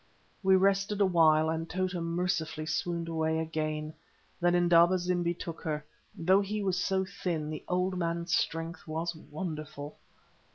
We rested awhile, and Tota mercifully swooned away again. Then Indaba zimbi took her. Though he was so thin the old man's strength was wonderful.